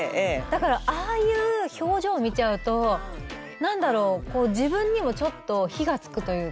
だからああいう表情見ちゃうと何だろう自分にもちょっと火がつくというか。